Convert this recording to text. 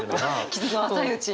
傷の浅いうちに。